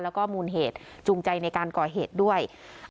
แล้วก็มูลเหตุจูงใจในการก่อเหตุด้วย